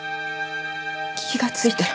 気がついたら。